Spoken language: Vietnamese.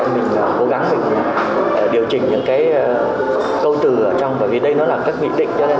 mình cố gắng mình điều chỉnh những cái câu từ ở trong bởi vì đây nó là các nghị định cho nên là cái việc mà câu chữ nó rất là quan trọng